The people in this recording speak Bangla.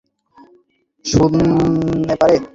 বোশেখ মাসের দিকে রাত্রে কি কেউ ঘরের মধ্যে শূতে পারে?